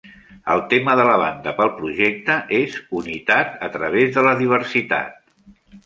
El tema de la banda pel projecte és "Unitat a través de la Diversitat".